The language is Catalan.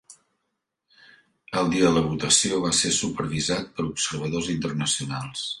El dia de la votació va ser supervisat per observadors internacionals.